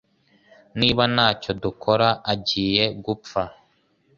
Niba ntacyo dukora, agiye gupfa.